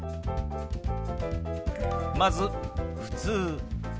まず「ふつう」。